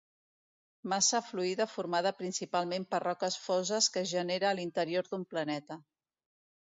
Massa fluida formada principalment per roques foses que es genera a l'interior d'un planeta.